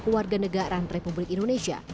kewarganegaraan republik indonesia